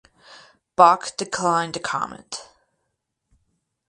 Bach declined to comment.